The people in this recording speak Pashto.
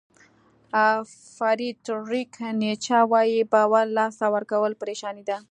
فریدریک نیچه وایي باور له لاسه ورکول پریشاني ده.